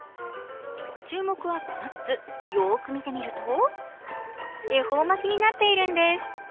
注目はこの筒、よーく見てみると恵方巻になっているんです。